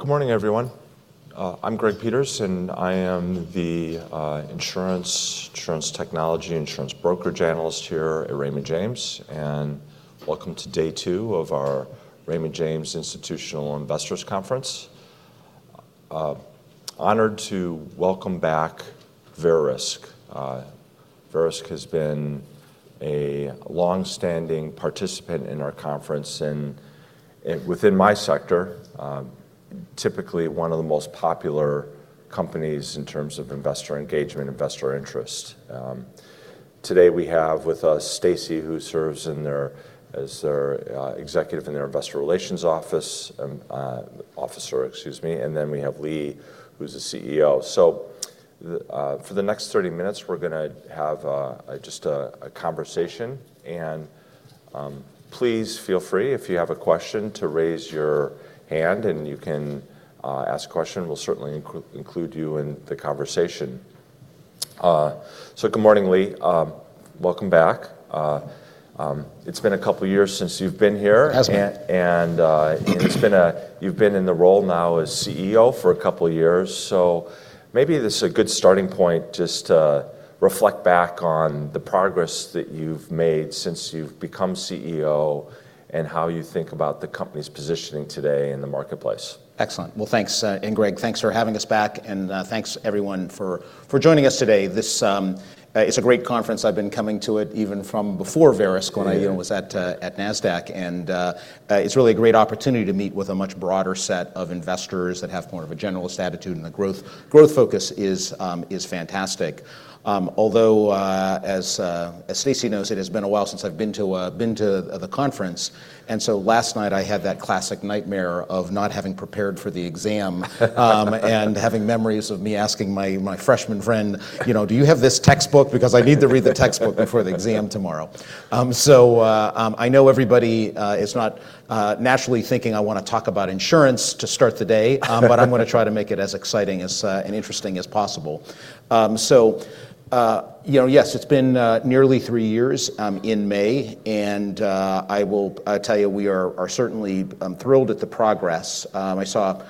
Good morning, everyone. I'm Greg Peters, and I am the insurance, insurance technology, insurance brokerage analyst here at Raymond James. And welcome to day two of our Raymond James Institutional Investors Conference. Honored to welcome back Verisk. Verisk has been a longstanding participant in our conference and within my sector, typically one of the most popular companies in terms of investor engagement, investor interest. Today we have with us Stacey, who serves as their executive in their investor relations office, officer, excuse me. And then we have Lee, who's the CEO. So for the next 30 minutes, we're going to have just a conversation. And please feel free, if you have a question, to raise your hand, and you can ask a question. We'll certainly include you in the conversation. So good morning, Lee. Welcome back. It's been a couple of years since you've been here. Hasn't. You've been in the role now as CEO for a couple of years. Maybe this is a good starting point just to reflect back on the progress that you've made since you've become CEO and how you think about the company's positioning today in the marketplace. Excellent. Well, thanks. And Greg, thanks for having us back. And thanks, everyone, for joining us today. This is a great conference. I've been coming to it even from before Verisk when I was at Nasdaq. And it's really a great opportunity to meet with a much broader set of investors that have more of a generalist attitude. And the growth focus is fantastic. Although, as Stacey knows, it has been a while since I've been to the conference. And so last night, I had that classic nightmare of not having prepared for the exam and having memories of me asking my freshman friend, do you have this textbook? Because I need to read the textbook before the exam tomorrow. So I know everybody is not naturally thinking I want to talk about insurance to start the day, but I'm going to try to make it as exciting and interesting as possible. So yes, it's been nearly three years in May. And I will tell you, we are certainly thrilled at the progress. I saw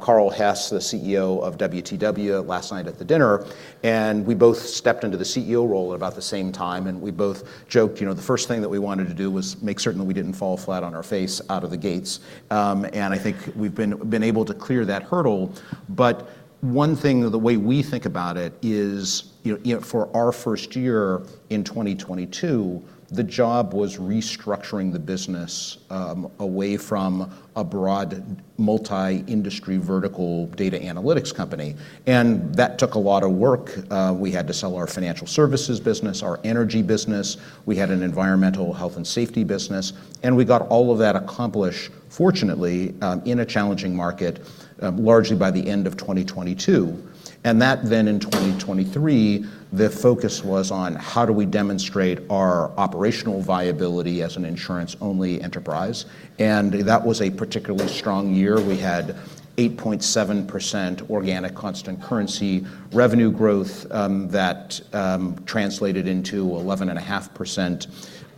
Carl Hess, the CEO of WTW, last night at the dinner. And we both stepped into the CEO role at about the same time. And we both joked the first thing that we wanted to do was make certain that we didn't fall flat on our face out of the gates. But one thing, the way we think about it is, for our first year in 2022, the job was restructuring the business away from a broad, multi-industry, vertical data analytics company. And that took a lot of work. We had to sell our financial services business, our energy business. We had an environmental, health, and safety business. And we got all of that accomplished, fortunately, in a challenging market, largely by the end of 2022. And that, then in 2023, the focus was on how do we demonstrate our operational viability as an insurance-only enterprise. And that was a particularly strong year. We had 8.7% organic constant currency revenue growth that translated into 11.5%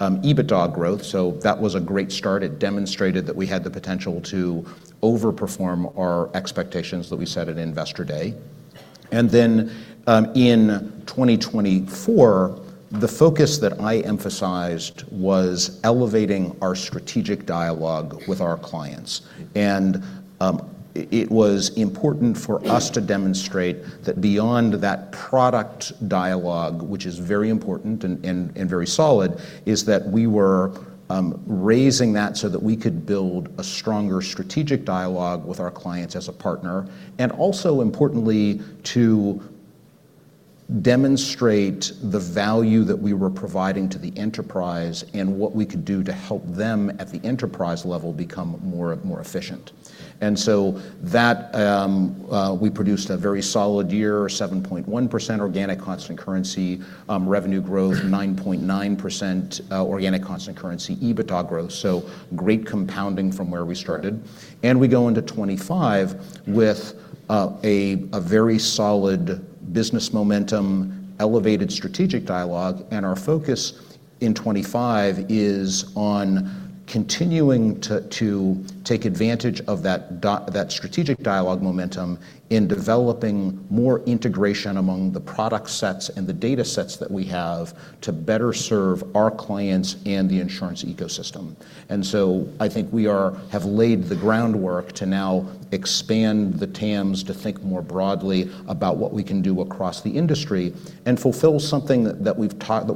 EBITDA growth. So that was a great start. It demonstrated that we had the potential to overperform our expectations that we set at Investor Day. And then in 2024, the focus that I emphasized was elevating our strategic dialogue with our clients. And it was important for us to demonstrate that beyond that product dialogue, which is very important and very solid, is that we were raising that so that we could build a stronger strategic dialogue with our clients as a partner. And also, importantly, to demonstrate the value that we were providing to the enterprise and what we could do to help them at the enterprise level become more efficient. And so that we produced a very solid year, 7.1% organic constant currency revenue growth, 9.9% organic constant currency EBITDA growth. So great compounding from where we started. And we go into 2025 with a very solid business momentum, elevated strategic dialogue. And our focus in 2025 is on continuing to take advantage of that strategic dialogue momentum in developing more integration among the product sets and the data sets that we have to better serve our clients and the insurance ecosystem. And so I think we have laid the groundwork to now expand the TAMs to think more broadly about what we can do across the industry and fulfill something that we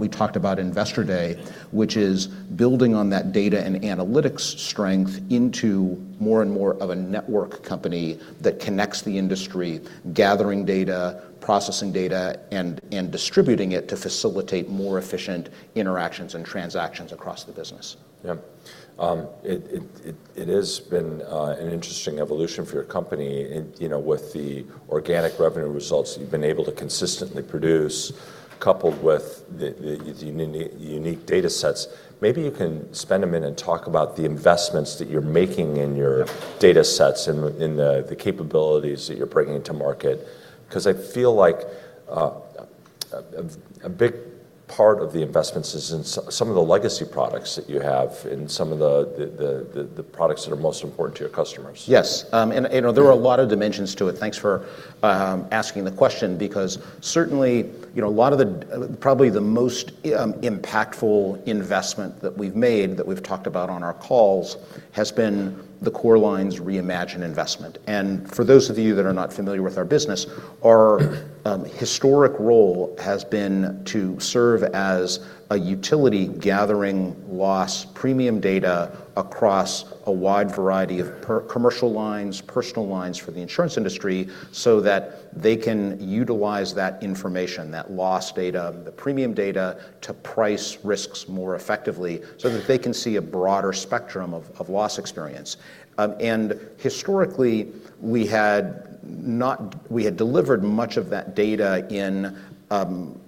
talked about Investor Day, which is building on that data and analytics strength into more and more of a network company that connects the industry, gathering data, processing data, and distributing it to facilitate more efficient interactions and transactions across the business. Yeah. It has been an interesting evolution for your company with the organic revenue results that you've been able to consistently produce, coupled with the unique data sets. Maybe you can spend a minute and talk about the investments that you're making in your data sets and the capabilities that you're bringing to market. Because I feel like a big part of the investments is in some of the legacy products that you have and some of the products that are most important to your customers. Yes. And there are a lot of dimensions to it. Thanks for asking the question. Because certainly, a lot of the probably the most impactful investment that we've made that we've talked about on our calls has been the Core Lines Reimagined investment. And for those of you that are not familiar with our business, our historic role has been to serve as a utility gathering loss premium data across a wide variety of commercial lines, personal lines for the insurance industry, so that they can utilize that information, that loss data, the premium data to price risks more effectively so that they can see a broader spectrum of loss experience. And historically, we had delivered much of that data in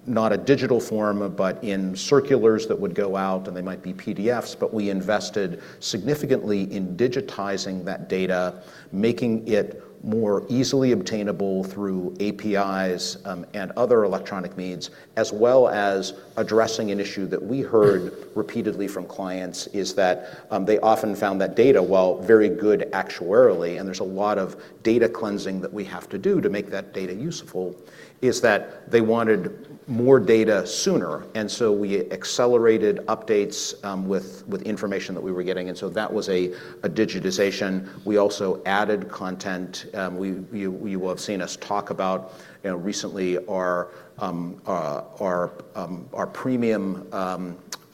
not a digital form, but in circulars that would go out. And they might be PDFs. But we invested significantly in digitizing that data, making it more easily obtainable through APIs and other electronic means, as well as addressing an issue that we heard repeatedly from clients is that they often found that data, while very good actuarially, and there's a lot of data cleansing that we have to do to make that data useful, is that they wanted more data sooner, and so we accelerated updates with information that we were getting, and so that was a digitization. We also added content. You will have seen us talk about recently our premium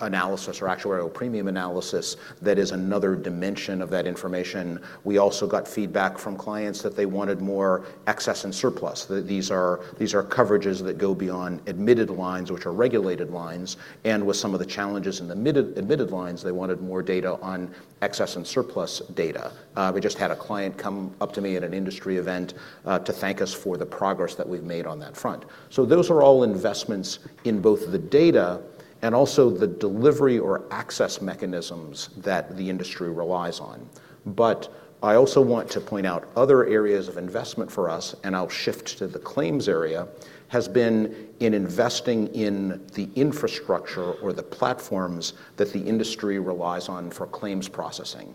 analysis, our actuarial premium analysis, that is another dimension of that information. We also got feedback from clients that they wanted more excess and surplus. These are coverages that go beyond admitted lines, which are regulated lines. And with some of the challenges in the admitted lines, they wanted more data on excess and surplus data. We just had a client come up to me at an industry event to thank us for the progress that we've made on that front. So those are all investments in both the data and also the delivery or access mechanisms that the industry relies on. But I also want to point out other areas of investment for us, and I'll shift to the claims area. Has been in investing in the infrastructure or the platforms that the industry relies on for claims processing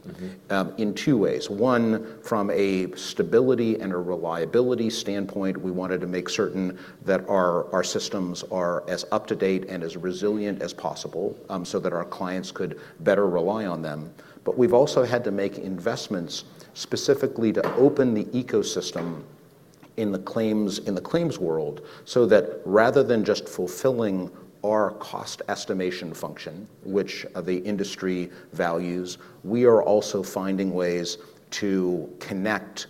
in two ways. One, from a stability and a reliability standpoint, we wanted to make certain that our systems are as up to date and as resilient as possible so that our clients could better rely on them. But we've also had to make investments specifically to open the ecosystem in the claims world so that rather than just fulfilling our cost estimation function, which the industry values, we are also finding ways to connect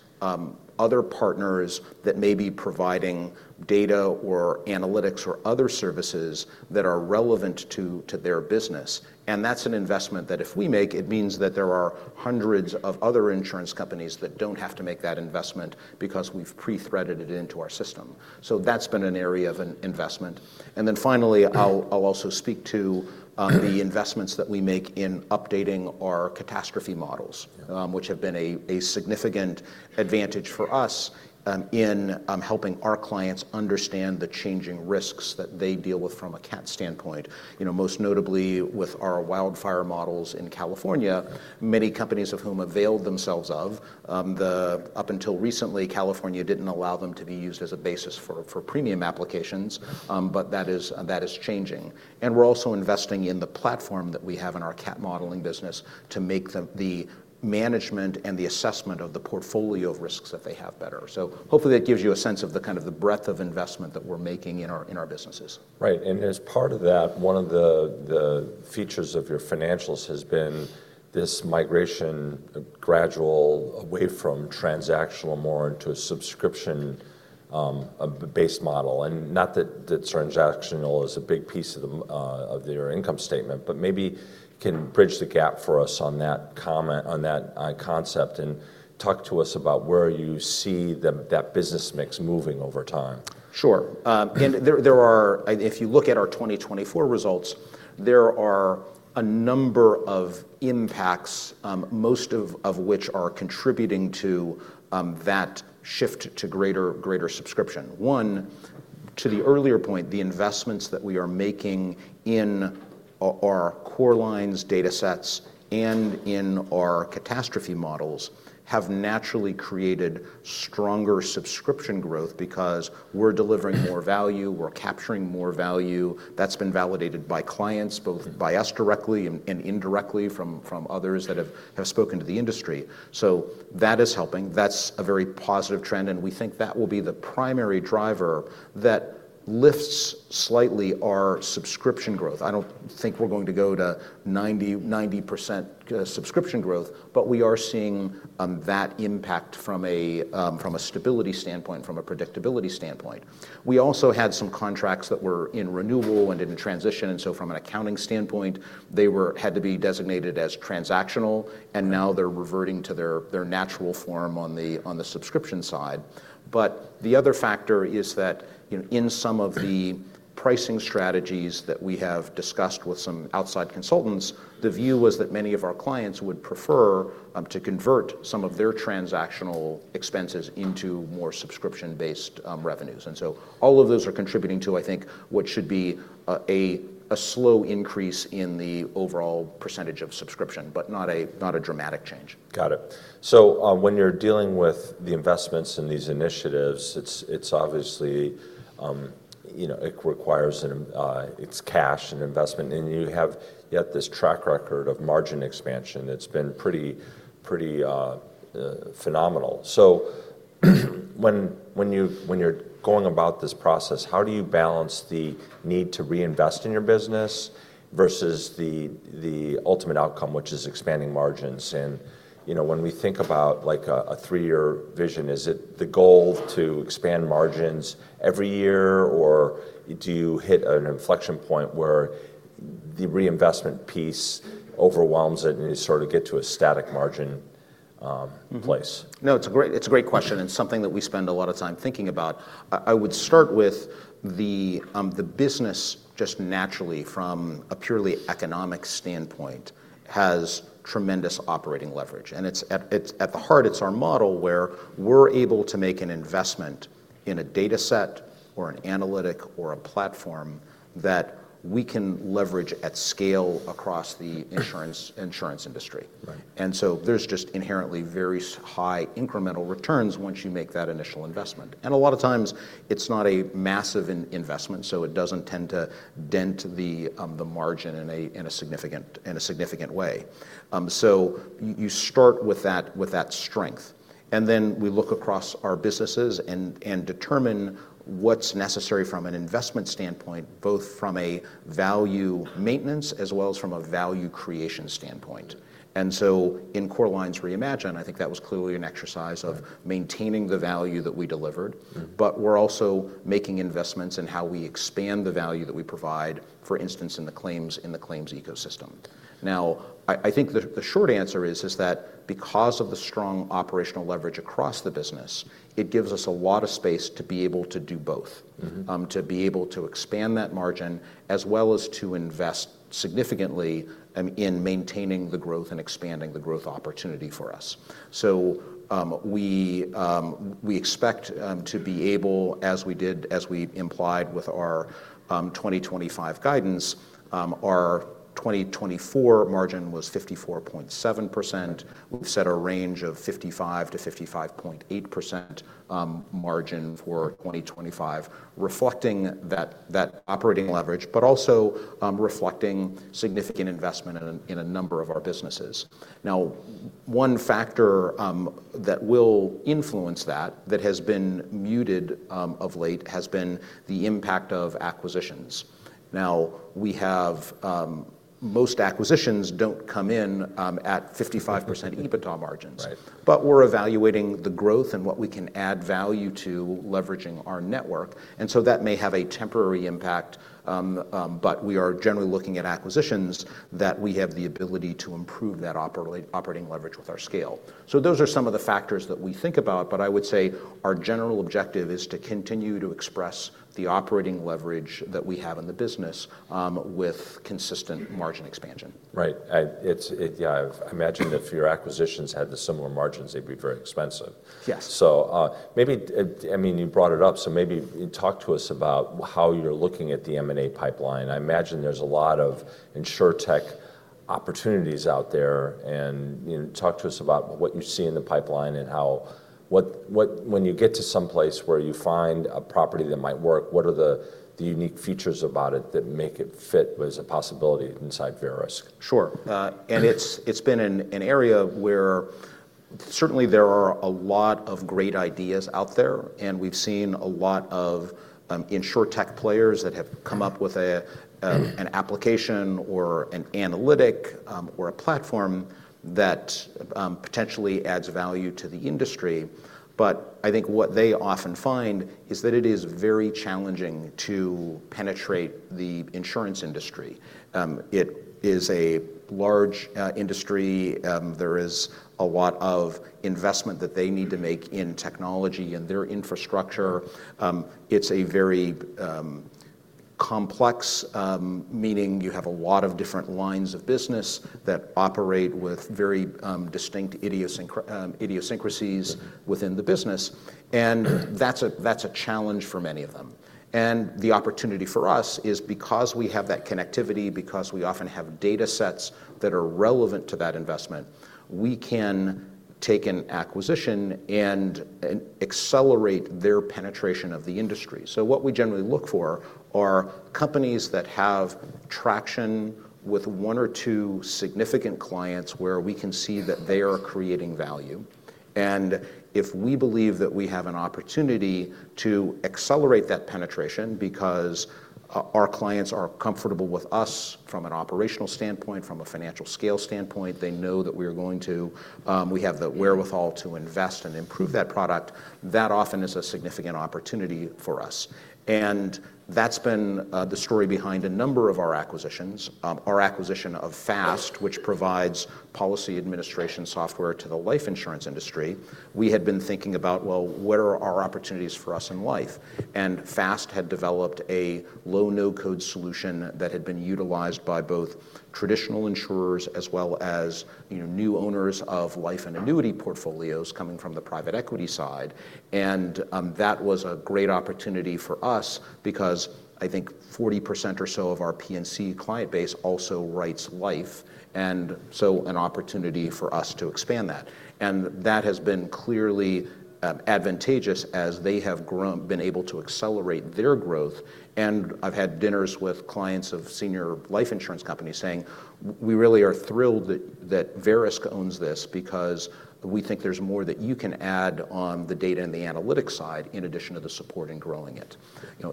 other partners that may be providing data or analytics or other services that are relevant to their business. And that's an investment that if we make, it means that there are hundreds of other insurance companies that don't have to make that investment because we've pre-threaded it into our system. So that's been an area of investment. And then finally, I'll also speak to the investments that we make in updating our catastrophe models, which have been a significant advantage for us in helping our clients understand the changing risks that they deal with from a CAT standpoint. Most notably, with our wildfire models in California, many companies of whom availed themselves of, up until recently, California didn't allow them to be used as a basis for premium applications, but that is changing, and we're also investing in the platform that we have in our CAT modeling business to make the management and the assessment of the portfolio of risks that they have better, so hopefully, that gives you a sense of the kind of breadth of investment that we're making in our businesses. Right, and as part of that, one of the features of your financials has been this gradual migration away from transactional more into a subscription-based model, and not that transactional is a big piece of your income statement, but maybe can bridge the gap for us on that concept and talk to us about where you see that business mix moving over time. Sure, and if you look at our 2024 results, there are a number of impacts, most of which are contributing to that shift to greater subscription. One, to the earlier point, the investments that we are making in our Core Lines data sets and in our catastrophe models have naturally created stronger subscription growth because we're delivering more value. We're capturing more value. That's been validated by clients, both by us directly and indirectly from others that have spoken to the industry. So that is helping. That's a very positive trend. And we think that will be the primary driver that lifts slightly our subscription growth. I don't think we're going to go to 90% subscription growth, but we are seeing that impact from a stability standpoint, from a predictability standpoint. We also had some contracts that were in renewal and in transition. From an accounting standpoint, they had to be designated as transactional. Now they're reverting to their natural form on the subscription side. The other factor is that in some of the pricing strategies that we have discussed with some outside consultants, the view was that many of our clients would prefer to convert some of their transactional expenses into more subscription-based revenues. All of those are contributing to, I think, what should be a slow increase in the overall percentage of subscription, but not a dramatic change. Got it. So when you're dealing with the investments in these initiatives, it obviously requires its cash and investment. And you have yet this track record of margin expansion that's been pretty phenomenal. So when you're going about this process, how do you balance the need to reinvest in your business versus the ultimate outcome, which is expanding margins? And when we think about a three-year vision, is it the goal to expand margins every year, or do you hit an inflection point where the reinvestment piece overwhelms it and you sort of get to a static margin place? No, it's a great question and something that we spend a lot of time thinking about. I would start with the business just naturally, from a purely economic standpoint, has tremendous operating leverage. And at the heart, it's our model where we're able to make an investment in a data set or an analytic or a platform that we can leverage at scale across the insurance industry. And so there's just inherently very high incremental returns once you make that initial investment. And a lot of times, it's not a massive investment, so it doesn't tend to dent the margin in a significant way. So you start with that strength. And then we look across our businesses and determine what's necessary from an investment standpoint, both from a value maintenance as well as from a value creation standpoint. In Core Lines Reimagined, I think that was clearly an exercise of maintaining the value that we delivered. But we're also making investments in how we expand the value that we provide, for instance, in the claims ecosystem. Now, I think the short answer is that because of the strong operational leverage across the business, it gives us a lot of space to be able to do both, to be able to expand that margin as well as to invest significantly in maintaining the growth and expanding the growth opportunity for us. So we expect to be able, as we did, as we implied with our 2025 guidance, our 2024 margin was 54.7%. We've set a range of 55%-55.8% margin for 2025, reflecting that operating leverage, but also reflecting significant investment in a number of our businesses. Now, one factor that will influence that, that has been muted of late, has been the impact of acquisitions. Now, most acquisitions don't come in at 55% EBITDA margins. But we're evaluating the growth and what we can add value to leveraging our network. And so that may have a temporary impact. But we are generally looking at acquisitions that we have the ability to improve that operating leverage with our scale. So those are some of the factors that we think about. But I would say our general objective is to continue to express the operating leverage that we have in the business with consistent margin expansion. Right. Yeah. I imagine if your acquisitions had the similar margins, they'd be very expensive. Yes. So maybe, I mean, you brought it up. So maybe talk to us about how you're looking at the M&A pipeline. I imagine there's a lot of insurtech opportunities out there. And talk to us about what you see in the pipeline and how, when you get to someplace where you find a property that might work, what are the unique features about it that make it fit as a possibility inside Verisk? Sure. And it's been an area where certainly there are a lot of great ideas out there. And we've seen a lot of insurtech players that have come up with an application or an analytic or a platform that potentially adds value to the industry. But I think what they often find is that it is very challenging to penetrate the insurance industry. It is a large industry. There is a lot of investment that they need to make in technology and their infrastructure. It's a very complex, meaning you have a lot of different lines of business that operate with very distinct idiosyncrasies within the business. And that's a challenge for many of them. And the opportunity for us is because we have that connectivity, because we often have data sets that are relevant to that investment, we can take an acquisition and accelerate their penetration of the industry. So what we generally look for are companies that have traction with one or two significant clients where we can see that they are creating value. And if we believe that we have an opportunity to accelerate that penetration because our clients are comfortable with us from an operational standpoint, from a financial scale standpoint, they know that we are going to, we have the wherewithal to invest and improve that product, that often is a significant opportunity for us. And that's been the story behind a number of our acquisitions. Our acquisition of FAST, which provides Policy Administration Software to the life insurance industry, we had been thinking about, well, what are our opportunities for us in life? FAST had developed a low no-code solution that had been utilized by both traditional insurers as well as new owners of life and annuity portfolios coming from the private equity side. That was a great opportunity for us because I think 40% or so of our P&C client base also writes life. That has been clearly advantageous as they have been able to accelerate their growth. I've had dinners with clients of senior life insurance companies saying, "We really are thrilled that Verisk owns this because we think there's more that you can add on the data and the analytic side in addition to the support in growing it.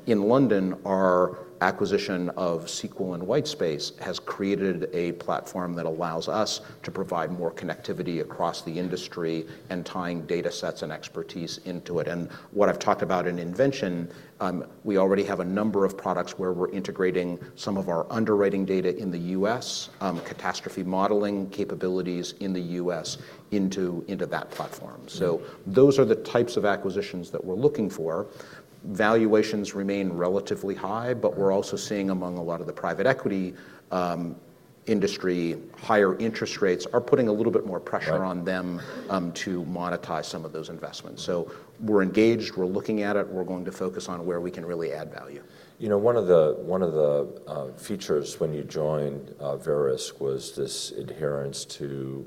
In London, our acquisition of Sequel and Whitespace has created a platform that allows us to provide more connectivity across the industry and tying data sets and expertise into it, and what I've talked about in investment, we already have a number of products where we're integrating some of our underwriting data in the US, catastrophe modeling capabilities in the US into that platform, so those are the types of acquisitions that we're looking for. Valuations remain relatively high, but we're also seeing among a lot of the private equity industry, higher interest rates are putting a little bit more pressure on them to monetize some of those investments, so we're engaged. We're looking at it. We're going to focus on where we can really add value. You know, one of the features when you joined Verisk was this adherence to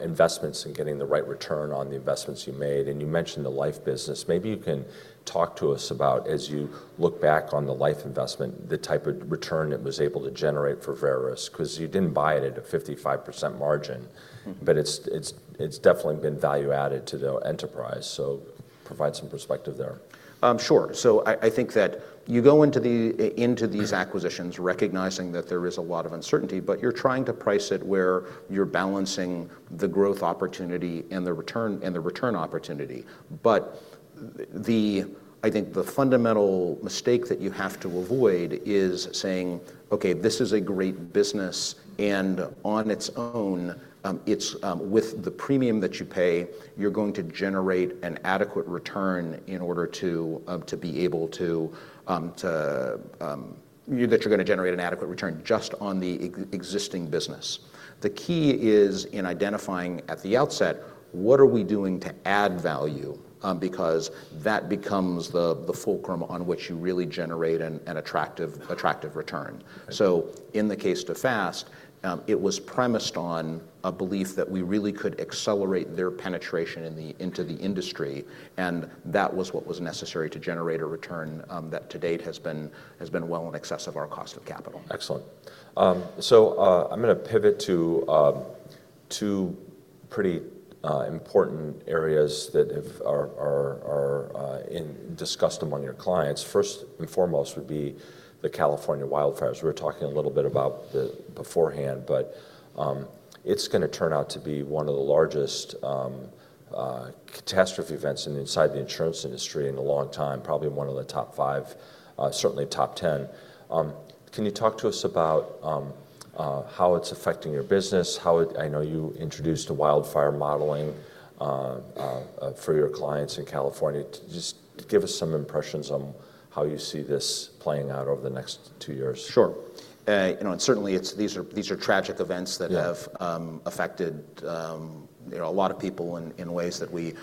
investments and getting the right return on the investments you made. And you mentioned the life business. Maybe you can talk to us about, as you look back on the life investment, the type of return it was able to generate for Verisk, because you didn't buy it at a 55% margin, but it's definitely been value added to the enterprise. So provide some perspective there. Sure. So I think that you go into these acquisitions recognizing that there is a lot of uncertainty, but you're trying to price it where you're balancing the growth opportunity and the return opportunity. But I think the fundamental mistake that you have to avoid is saying, OK, this is a great business. And on its own, with the premium that you pay, you're going to generate an adequate return in order to be able to, that you're going to generate an adequate return just on the existing business. The key is in identifying at the outset, what are we doing to add value? Because that becomes the fulcrum on which you really generate an attractive return. So in the case to FAST, it was premised on a belief that we really could accelerate their penetration into the industry. That was what was necessary to generate a return that to date has been well in excess of our cost of capital. Excellent. So I'm going to pivot to two pretty important areas that are discussed among your clients. First and foremost would be the California wildfires. We were talking a little bit about the beforehand, but it's going to turn out to be one of the largest catastrophe events inside the insurance industry in a long time, probably one of the top five, certainly top 10. Can you talk to us about how it's affecting your business? I know you introduced the Wildfire Modeling for your clients in California. Just give us some impressions on how you see this playing out over the next two years. Sure. And certainly, these are tragic events that have affected a lot of people in ways that we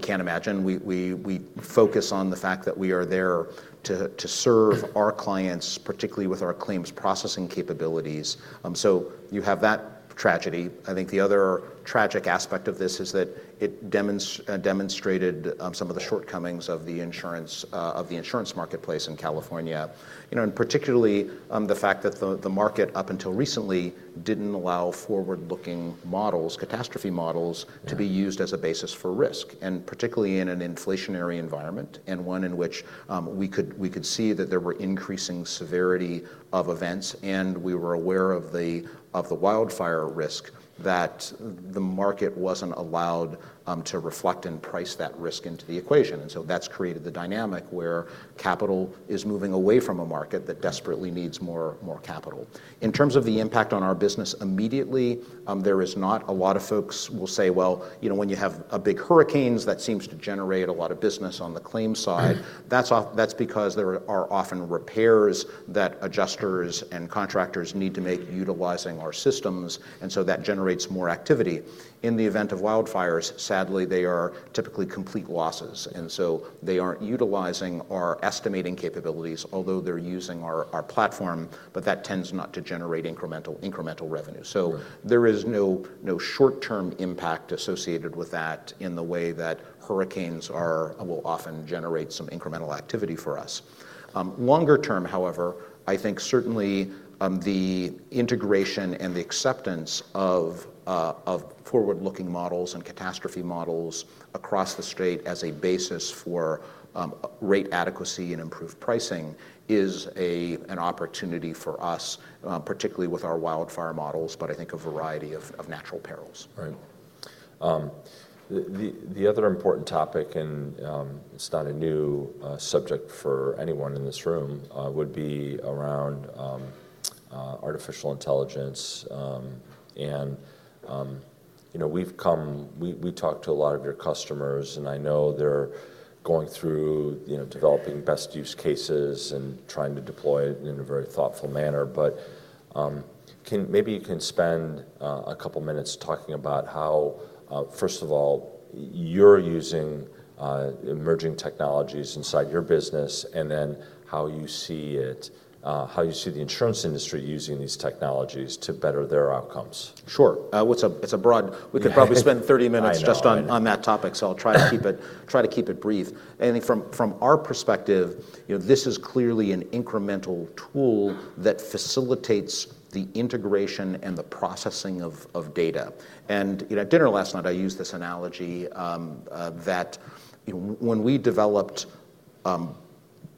can't imagine. We focus on the fact that we are there to serve our clients, particularly with our claims processing capabilities. So you have that tragedy. I think the other tragic aspect of this is that it demonstrated some of the shortcomings of the insurance marketplace in California, and particularly the fact that the market up until recently didn't allow forward-looking models, catastrophe models, to be used as a basis for risk, and particularly in an inflationary environment and one in which we could see that there were increasing severity of events. And we were aware of the wildfire risk that the market wasn't allowed to reflect and price that risk into the equation. That's created the dynamic where capital is moving away from a market that desperately needs more capital. In terms of the impact on our business immediately, there is not a lot. Folks will say, well, you know, when you have a big hurricane, that seems to generate a lot of business on the claim side. That's because there are often repairs that adjusters and contractors need to make utilizing our systems. And so that generates more activity. In the event of wildfires, sadly, they are typically complete losses. And so they aren't utilizing our estimating capabilities, although they're using our platform, but that tends not to generate incremental revenue. So there is no short-term impact associated with that in the way that hurricanes will often generate some incremental activity for us. Longer term, however, I think certainly the integration and the acceptance of forward-looking models and catastrophe models across the state as a basis for rate adequacy and improved pricing is an opportunity for us, particularly with our wildfire models, but I think a variety of natural perils. Right. The other important topic, and it's not a new subject for anyone in this room, would be around artificial intelligence. And we've talked to a lot of your customers, and I know they're going through developing best use cases and trying to deploy it in a very thoughtful manner. But maybe you can spend a couple of minutes talking about how, first of all, you're using emerging technologies inside your business and then how you see it, how you see the insurance industry using these technologies to better their outcomes. Sure. It's a broad, we could probably spend 30 minutes just on that topic. So I'll try to keep it brief. I think from our perspective, this is clearly an incremental tool that facilitates the integration and the processing of data. And at dinner last night, I used this analogy that when we developed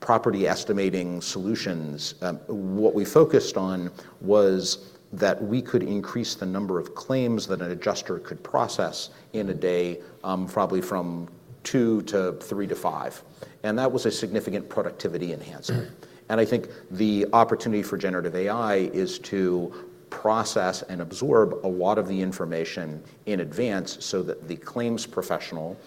property estimating solutions, what we focused on was that we could increase the number of claims that an adjuster could process in a day, probably from two to three to five. And that was a significant productivity enhancement. And I think the opportunity for generative AI is to process and absorb a lot of the information in advance so that the claims professional,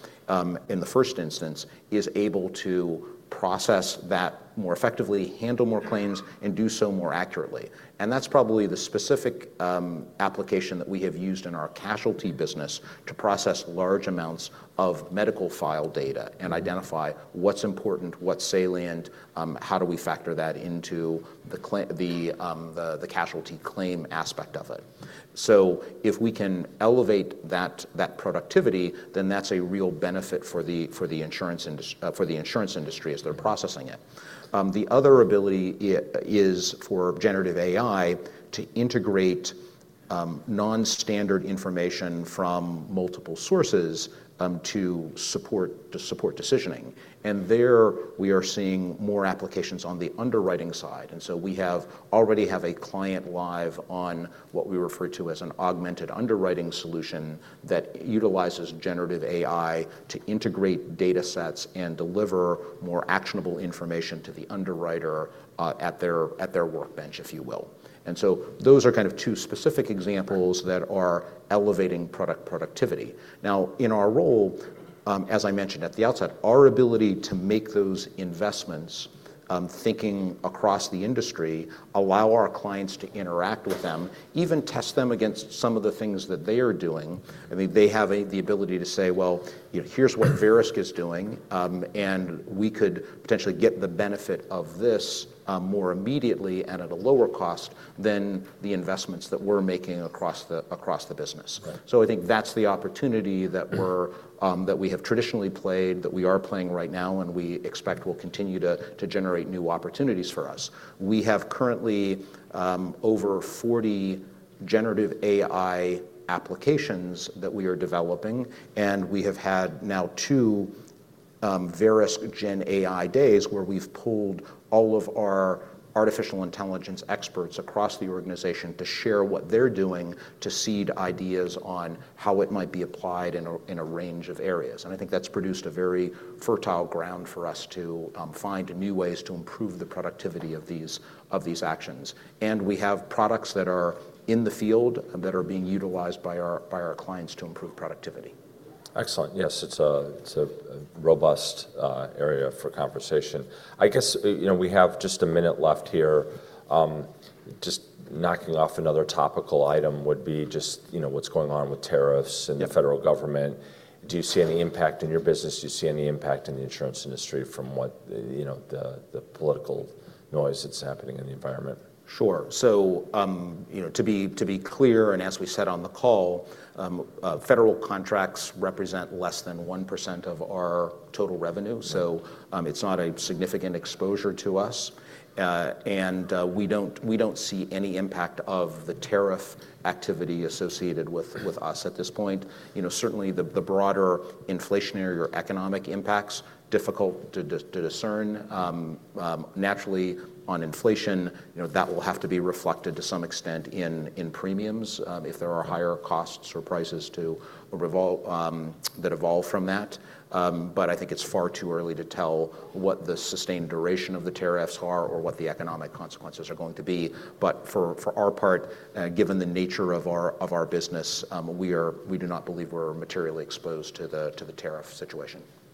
in the first instance, is able to process that more effectively, handle more claims, and do so more accurately. And that's probably the specific application that we have used in our casualty business to process large amounts of medical file data and identify what's important, what's salient, how do we factor that into the casualty claim aspect of it. So if we can elevate that productivity, then that's a real benefit for the insurance industry as they're processing it. The other ability is for generative AI to integrate nonstandard information from multiple sources to support decisioning. And there we are seeing more applications on the underwriting side. And so we already have a client live on what we refer to as an augmented underwriting solution that utilizes generative AI to integrate data sets and deliver more actionable information to the underwriter at their workbench, if you will. And so those are kind of two specific examples that are elevating productivity. Now, in our role, as I mentioned at the outset, our ability to make those investments, thinking across the industry, allow our clients to interact with them, even test them against some of the things that they are doing. I mean, they have the ability to say, well, here's what Verisk is doing, and we could potentially get the benefit of this more immediately and at a lower cost than the investments that we're making across the business. So I think that's the opportunity that we have traditionally played, that we are playing right now, and we expect will continue to generate new opportunities for us. We have currently over 40 generative AI applications that we are developing. We have had now two Verisk Gen AI days where we've pulled all of our artificial intelligence experts across the organization to share what they're doing to seed ideas on how it might be applied in a range of areas. I think that's produced a very fertile ground for us to find new ways to improve the productivity of these actions. We have products that are in the field that are being utilized by our clients to improve productivity. Excellent. Yes, it's a robust area for conversation. I guess we have just a minute left here. Just knocking off another topical item would be just what's going on with tariffs and the federal government. Do you see any impact in your business? Do you see any impact in the insurance industry from the political noise that's happening in the environment? Sure. So to be clear, and as we said on the call, federal contracts represent less than 1% of our total revenue. So it's not a significant exposure to us. And we don't see any impact of the tariff activity associated with us at this point. Certainly, the broader inflationary or economic impacts, difficult to discern. Naturally, on inflation, that will have to be reflected to some extent in premiums if there are higher costs or prices that evolve from that. But I think it's far too early to tell what the sustained duration of the tariffs are or what the economic consequences are going to be. But for our part, given the nature of our business, we do not believe we're materially exposed to the tariff situation.